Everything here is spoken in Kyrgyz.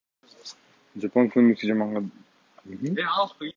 Жапон комикси манга деп аталат.